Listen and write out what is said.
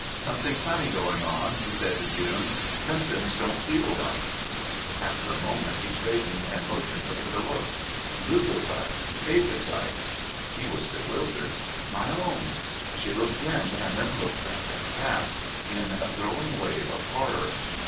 "Something funny going on," he said to June. "Symptoms don't feel right." After a moment he straightened and motioned for her to look. "Leucocytes, phagocytes " He was bewildered. "My own " She looked in, and then looked back at Pat in a growing wave of horror.